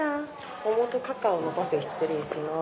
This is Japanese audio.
桃とカカオのパフェ失礼します。